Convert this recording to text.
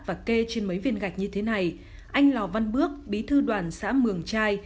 và kê trên mấy viên gạch như thế này anh lò văn bước bí thư đoàn xã mường trai